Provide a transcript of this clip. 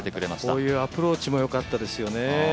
こういうアプローチもよかったですよね。